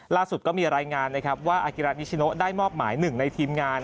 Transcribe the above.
ล่าสุดก็มีรายงานนะครับว่าอากิระนิชโนได้มอบหมายหนึ่งในทีมงาน